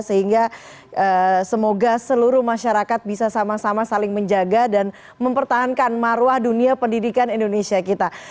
sehingga semoga seluruh masyarakat bisa sama sama saling menjaga dan mempertahankan marwah dunia pendidikan indonesia kita